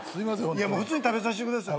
もう普通に食べさせてください。